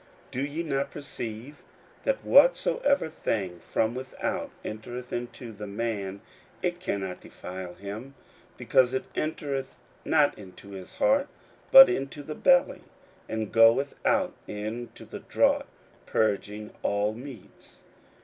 Do ye not perceive, that whatsoever thing from without entereth into the man, it cannot defile him; 41:007:019 Because it entereth not into his heart, but into the belly, and goeth out into the draught, purging all meats?